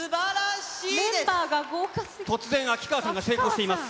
秋川さんが成功しています。